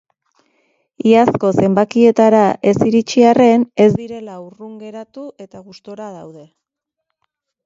Iazko zenbakietara ez iritsi arren, ez direla urrun geratu eta gustura daude.